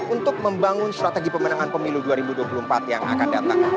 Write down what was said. untuk membangun strategi pemenangan pemilu dua ribu dua puluh empat yang akan datang